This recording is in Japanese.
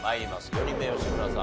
４人目吉村さん